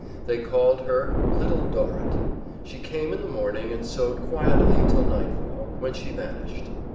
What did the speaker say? They called her "Little Dorrit." She came in the morning and sewed quietly till nightfall, when she vanished.